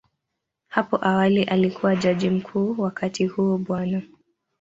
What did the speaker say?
Hapo awali alikuwa Jaji Mkuu, wakati huo Bw.